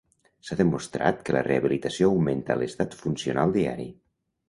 S'ha demostrat que la rehabilitació augmenta l'estat funcional diari.